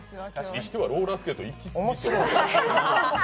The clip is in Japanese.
にしてはローラースケート面白すぎ。